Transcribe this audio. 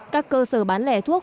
các cơ sở bán lẻ thuốc